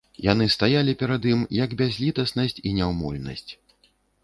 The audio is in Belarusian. Яны стаялі перад ім, як бязлітаснасць і няўмольнасць.